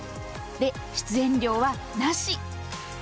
で出演料はなし！